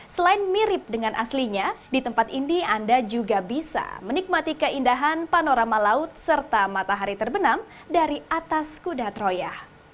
selain mirip dengan aslinya di tempat ini anda juga bisa menikmati keindahan panorama laut serta matahari terbenam dari atas kuda troya